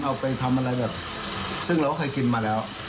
เอาไปทำอะไรแบบซึ่งเราก็เคยกินมาแล้ว